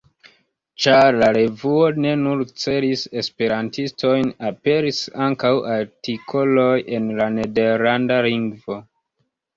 Ĉar la revuo ne nur celis esperantistojn, aperis ankaŭ artikoloj en la nederlanda lingvo.